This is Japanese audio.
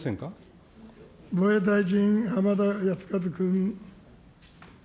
防衛大臣、浜田靖一君。